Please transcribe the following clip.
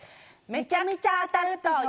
めちゃめちゃ当たると。